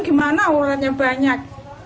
gimana ulatnya banyak